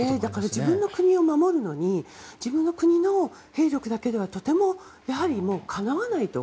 自分の国を守るのに自分の国の兵力だけではとてもかなわないと。